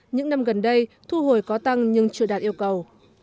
những năm gần đây thu hồi có tăng nhưng chưa đạt yêu cầu